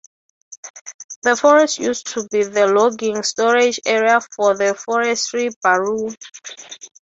The forest used to be the logging storage area for the Forestry Bureau.